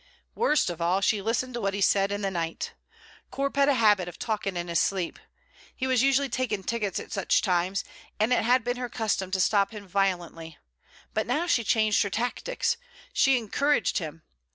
Worst of all, she listened to what he said in the night. Corp had a habit of talking in his sleep. He was usually taking tickets at such times, and it had been her custom to stop him violently; but now she changed her tactics: she encouraged him.